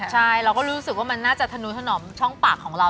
ใช่เราก็รู้สึกว่ามันน่าจะทะนุถนอมช่องปากของเรา